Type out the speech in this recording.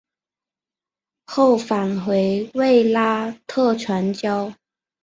后返回卫拉特传教。